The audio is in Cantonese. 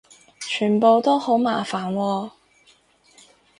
全部都好麻煩喎